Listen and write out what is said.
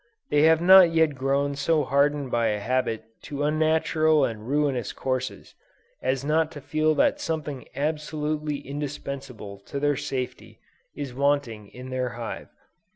They have not yet grown so hardened by habit to unnatural and ruinous courses, as not to feel that something absolutely indispensable to their safety is wanting in their hive.